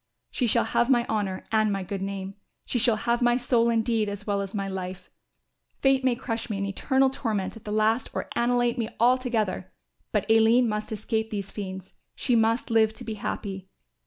"She shall have my honour and my good name, she shall have my soul indeed as well as my life. Fate may crush me in eternal torment at the last or annihilate me altogether; but Aline must escape these fiends; she must live to be happy.